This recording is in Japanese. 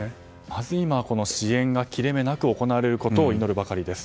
まず支援が切れ目なく行われることを祈るばかりです。